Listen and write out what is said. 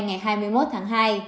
ngày hai mươi một tháng hai